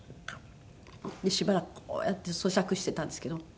でしばらくこうやって咀嚼してたんですけど。